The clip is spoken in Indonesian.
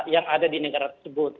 yang ada di negara tersebut